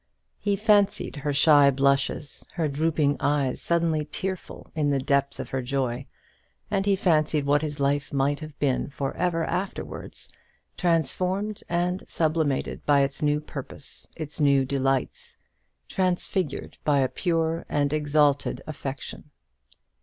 He fancied her shy blushes, her drooping eyes suddenly tearful in the depth of her joy; and he fancied what his life might have been for ever afterwards, transformed and sublimated by its new purpose, its new delights; transfigured by a pure and exalted affection.